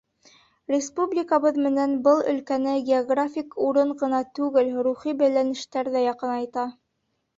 Республикабыҙ менән был өлкәне географик урын ғына түгел, рухи бәйләнештәр ҙә яҡынайта.